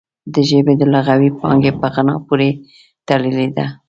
د ژبې د لغوي پانګې په غنا پورې تړلې ده